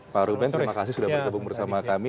pak ruben terima kasih sudah bergabung bersama kami